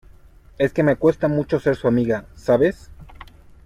es que me cuesta mucho ser su amiga, ¿ sabes?